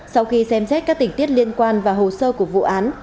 sau khi xem xét các tỉnh tiết liên quan và hồ sơ của vụ án